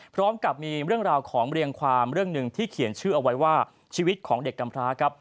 พร้อมกับมีเรื่องราวของเรียงความเรื่องหนึ่งที่เขียนชื่อเอาไว้ว่าชีวิตของเด็กกำพร้าครับ